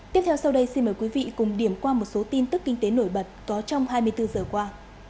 tiếp theo sau đây xin mời quý vị cùng điểm qua một số tin tức kinh tế nổi bật có trong hai mươi bốn giờ qua